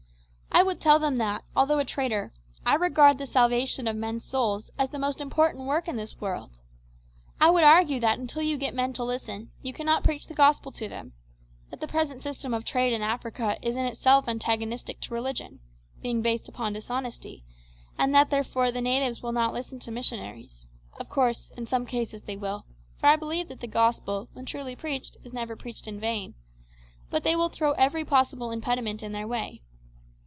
I would tell them that, although a trader, I regard the salvation of men's souls as the most important work in this world. I would argue that until you get men to listen, you cannot preach the gospel to them; that the present system of trade in Africa is in itself antagonistic to religion, being based upon dishonesty, and that, therefore, the natives will not listen to missionaries of course, in some cases they will; for I believe that the gospel, when truly preached, is never preached in vain but they will throw every possible impediment in their way.